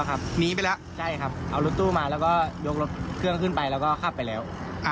อ้าว